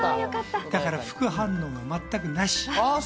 だから副反応も全くなし。